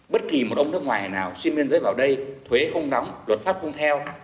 bất kỳ một ông nước ngoài nào xuyên biên giới vào đây thuế không đóng luật pháp không theo